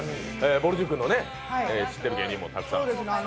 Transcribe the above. ぼる塾の知っている芸人もたくさんですね。